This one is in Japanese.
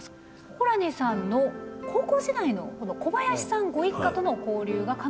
ホラニさんの高校時代の小林さんご一家との交流がかなり深い。